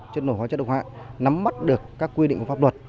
chất nổ chất độc hạ nắm mắt được các quy định của pháp luật